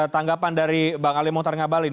tanggapan dari bang ali mohtar ngabalin